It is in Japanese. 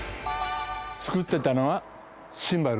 作っていたのはシンバルです。